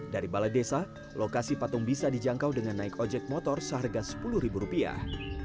dari balai desa lokasi patung bisa dijangkau dengan naik ojek motor seharga sepuluh ribu rupiah